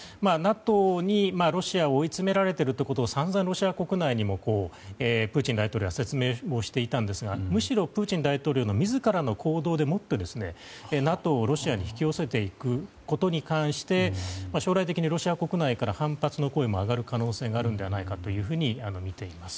ＮＡＴＯにロシアは追い詰められていると散々ロシア国内にもプーチン大統領は説明をしていたんですがむしろプーチン大統領の自らの行動でもってＮＡＴＯをロシアに引き寄せていくことに関して将来的にロシア国内から反発の声も上がる可能性があるのではないかと見ています。